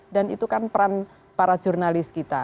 dan itu kan peran para jurnalis kita